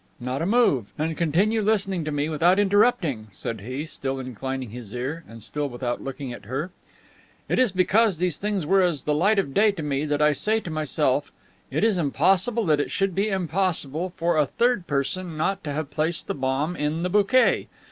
"Not a move. And continue listening to me without interrupting," said he, still inclining his ear, and still without looking at her. "It is because these things were as the light of day to me that I say to myself, 'It is impossible that it should be impossible for a third person not to have placed the bomb in the bouquet.